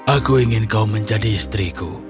aku ingin kau menjadi istriku